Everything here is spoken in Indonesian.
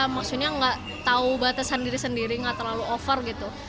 maksudnya nggak tahu batasan diri sendiri nggak terlalu over gitu